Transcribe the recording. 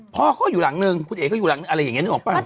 พ่อก็อยู่หลังนึงคุณเอกก็อยู่หลังนึงอะไรอย่างนี้นึกออกป่ะ